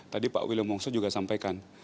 tadi pak william wongso juga sampaikan